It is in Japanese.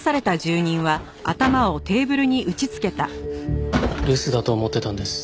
留守だと思ってたんです。